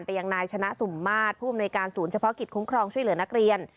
ยังนายชนะสุ่มมาตรผู้อำนวยการศูนย์เฉพาะกิจคุ้มครองช่วยเหลือนักเรียน